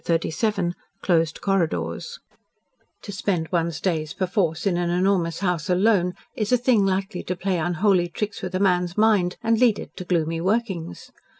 CHAPTER XXXVII CLOSED CORRIDORS To spend one's days perforce in an enormous house alone is a thing likely to play unholy tricks with a man's mind and lead it to gloomy workings.